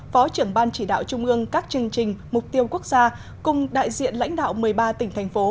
phó trưởng ban chỉ đạo trung ương các chương trình mục tiêu quốc gia cùng đại diện lãnh đạo một mươi ba tỉnh thành phố